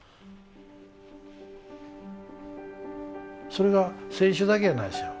それが選手だけやないですよ。